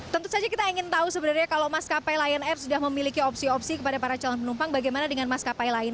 tentu saja kita ingin tahu sebenarnya kalau maskapai lion air sudah memiliki opsi opsi kepada para calon penumpang bagaimana dengan maskapai lain